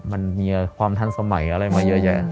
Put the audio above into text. มันมีความทันสมัยอะไรมาเยอะแยะ